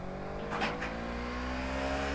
katibu mkuu wa umoja mataifa ban kimoon